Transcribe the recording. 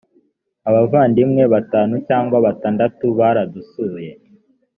abavandimwe batanu cyangwa batandatu baradusuye